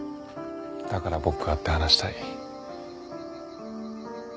だから僕が会って話したい。